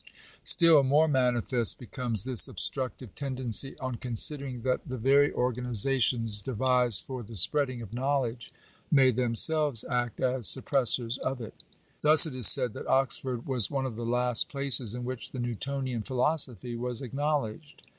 Still more manifest becomes this obstructive tendency on considering that the very organizations devised for the spread ing of knowledge, may themselves act as suppressors of it. Thus it is said, that Oxford was one of the last places in which the Newtonian philosophy was acknowledged.